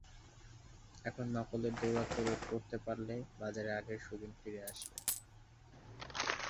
এখন নকলের দৌরাত্ম্য রোধ করতে পারলে বাজারে আগের সুদিন ফিরে আসবে।